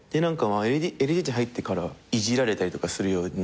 ＬＤＨ入ってからイジられたりするようになって。